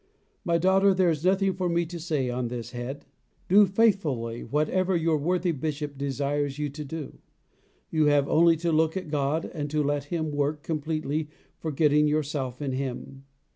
My daughter, there is nothing for me to say on this head. Do faithfully whatever your worthy Bishop desires you to do. You have only to look at God and to let Him work, completely forgetting yourself in Him.